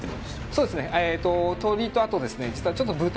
そうですね豚？